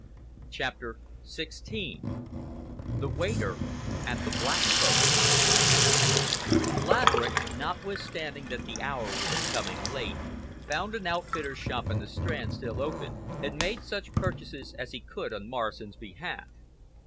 CHAPTER XVI THE WAITER AT THE "BLACK POST" Laverick, notwithstanding that the hour was becoming late, found an outfitter's shop in the Strand still open, and made such purchases as he could on Morrison's behalf.